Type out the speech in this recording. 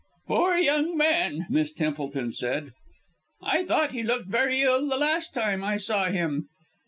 "Poor young man," Miss Templeton said. "I thought he looked very ill the last time I saw him.